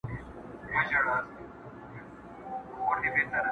زما غیرت د بل پر لوري، ستا کتل نه سي منلای،